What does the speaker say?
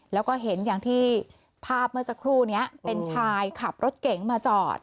แล้วก็เห็นอย่างที่ภาพเมื่อสักครู่นี้เป็นชายขับรถเก๋งมาจอด